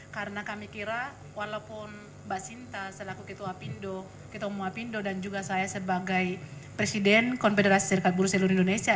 karena kami kira walaupun mbak sinta selaku ketua pindo ketua pindo dan juga saya sebagai presiden konfederasi serikat buruh seluruh indonesia